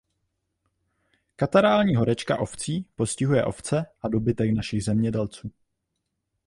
Katarální horečka ovcí postihuje ovce a dobytek našich zemědělců.